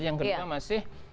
yang kedua masih